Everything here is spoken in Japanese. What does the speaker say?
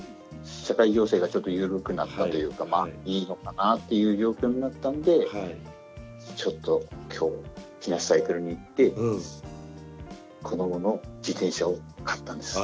社会情勢がちょっと緩くなったというかいいのかなっていう状況になったんでちょっときょう木梨サイクルに行って子どもの自転車を買ったんです。